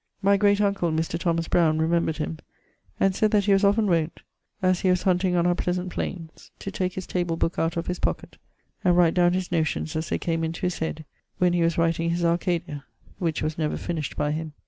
My great uncle, Mr. Thomas Browne, remembred him; and sayd that he was often wont, as he was hunting on our pleasant plaines, to take his table booke out of his pocket, and write downe his notions as they came into his head, when he was writing his Arcadia, (which was never finished by him).